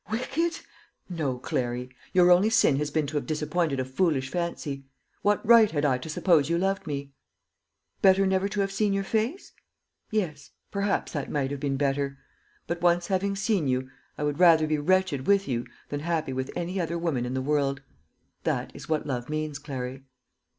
"Wicked! no, Clary. Your only sin has been to have disappointed a foolish fancy. What right had I to suppose you loved me? Better never to have seen your face? yes, perhaps that might have been better. But, once having seen you, I would rather be wretched with you than happy with any other woman in the world. That is what love means, Clary."